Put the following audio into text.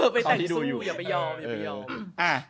ไปแต่งตู้อย่าไปยอม